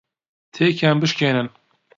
تێکیان بشکێنن.